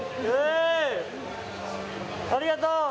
ありがとう。